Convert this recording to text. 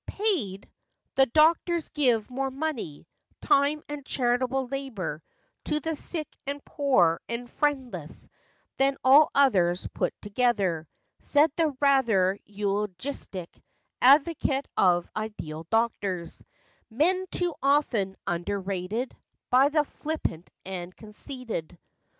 " Paid ! The doctors give more money, Time, and charitable labor To the sick, and poor, and friendless, Than all others put together," Said the rather eulogistic Advocate of ideal doctors— Men too often underrated By the flippant and conceited.